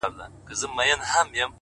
• موږ که تور یو که بدرنګه یوکارګان یو ,